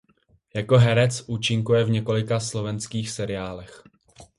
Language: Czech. Jako herec účinkuje v několika slovenských seriálech.